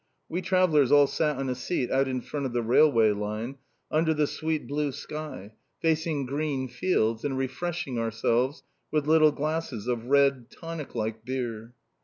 We travellers all sat on a seat out in front of the railway line, under the sweet blue sky, facing green fields, and refreshed ourselves with little glasses of red, tonic like Byrrh.